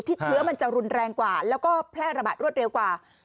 เชื้อมันจะรุนแรงกว่าแล้วก็แพร่ระบาดรวดเร็วกว่า